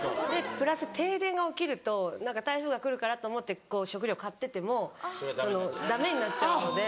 ・プラス停電が起きると何か台風が来るからと思って食料買っててもダメになっちゃうので。